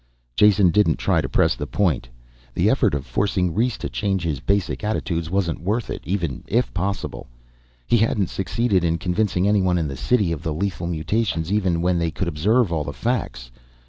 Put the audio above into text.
Jason didn't try to press the point. The effort of forcing Rhes to change his basic attitudes wasn't worth it even if possible. He hadn't succeeded in convincing anyone in the city of the lethal mutations even when they could observe all the facts.